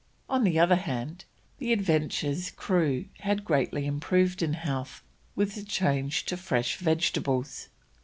On the other hand, the Adventure's crew had greatly improved in health with the change to fresh vegetables.